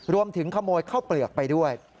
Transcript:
รวมถึงขโมยข้าวเปลือกไปด้วย